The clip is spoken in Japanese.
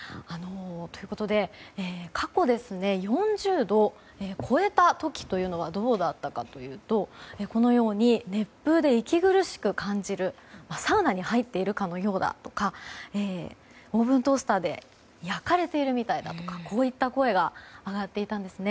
ということで過去４０度を超えた時というのはどうだったかというと熱風で息苦しく感じるサウナに入っているかのようだとかオーブントースターで焼かれているみたいだとかこういった声が上がっていたんですね。